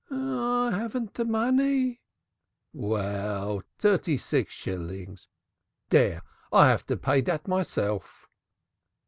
"I haven't the money." "Vell, dirty six shillings! Dere! I have to pay dat myself."